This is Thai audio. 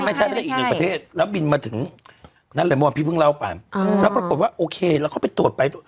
ไม่ใช่ประเทศแล้วบินมาถึงนั่นแหละมันผิดเพิ่งเล่าไปอ่าและปรบกวนว่าโอเคเราก็ไปตรวจไป